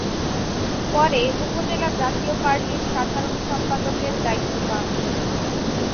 পরে উপজেলা জাতীয় পার্টির সাধারণ সম্পাদকের দায়িত্ব পান।